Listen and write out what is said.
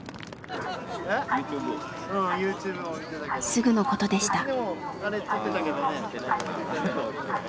すぐのことでした。